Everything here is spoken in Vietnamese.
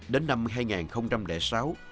đến năm hai nghìn sáu khi ngã bảy được nâng lên thị xã